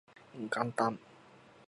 元旦